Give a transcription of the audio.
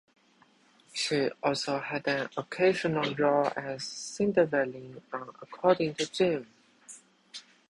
She also had an occasional role as "Cindy Devlin" on "According to Jim".